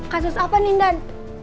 kasus apa nindan